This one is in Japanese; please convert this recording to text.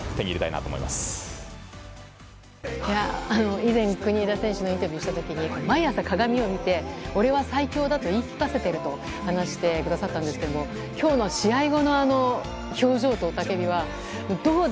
以前、国枝選手のインタビューをした時に毎朝鏡を見て俺は最強だと言い聞かせていると話してくださったんですけども今日の試合後の表情と雄たけびはどうだ！